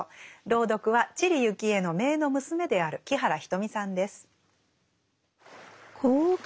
朗読は知里幸恵の姪の娘である木原仁美さんです。